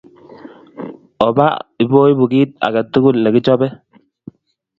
Opa ipoipu kit age tugul ne kichopei